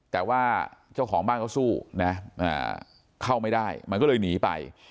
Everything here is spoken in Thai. แต่ว่าเจ้าของบ้านเขาสู้นะเข้าไม่ได้มันก็เลยหนีไป